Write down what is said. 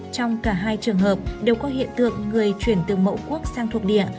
trong cả hai trường hợp đều có hiện tượng người chuyển từ mẫu quốc sang thuộc địa